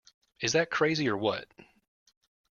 Is that crazy or what?